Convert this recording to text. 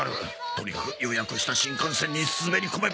とにかく予約した新幹線に滑り込めばいい。